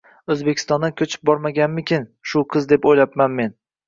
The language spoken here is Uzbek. Oʻzbekistondan koʻchib bormaganmikin shu qiz deb oʻylabam qoldim.